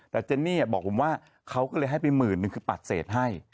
แต่เจนี่บอกผมว่าเขาก็เลยให้ไป๑๐๐๐๐บาทหนึ่งคือปัดเศษให้